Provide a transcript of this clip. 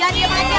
jangan diem aja